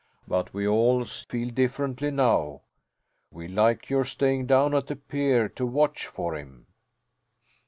But we all feel differently now; we like your staying down at the pier to watch for him."